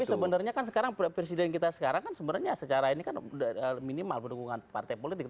tapi sebenarnya kan sekarang presiden kita sekarang kan sebenarnya secara ini kan minimal pendukungan partai politik